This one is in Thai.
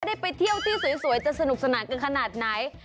ได้ไปเที่ยวที่สวยจะสนุกสนานกันขนาดไหน